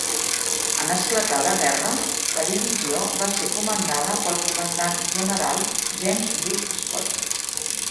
En esclatar la guerra, la divisió va ser comandada pel comandant general James Bruce Scott.